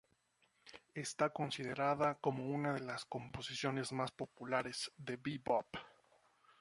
Está considerada como una de las composiciones más populares de bebop.